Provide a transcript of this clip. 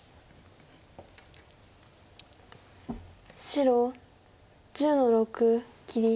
白１０の六切り。